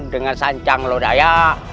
dengan sancang lodaya